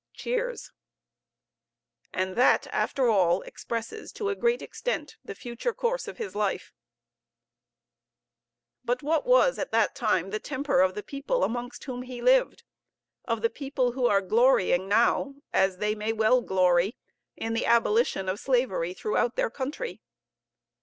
(Cheers.) And that, after all, expresses to a great extent the future course of his life. But what was at that time the temper of the people amongst whom he lived, of the people who are glorying now, as they well may glory, in the abolition of slavery throughout their country?